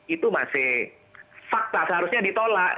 itu masih fakta seharusnya ditolak